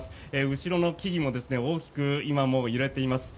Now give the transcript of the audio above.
後ろの木々も大きく今も揺れています。